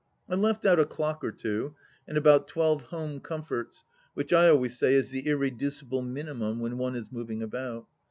I left out a clock or two, and about twelve home comforts which I always say is the irreducible minimum when one is moving about.